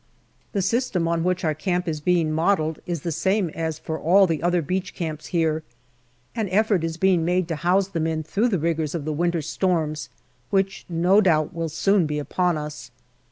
The system on which our camp is being modelled is the same as for all the other beach camps here. An effort is being made to house the men through the rigours of the winter storms, which no doubt will soon be upon us.